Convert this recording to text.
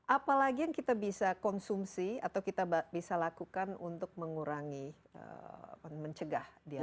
apalagi yang kita bisa konsumsi atau kita bisa lakukan untuk mengurangi mencegah dia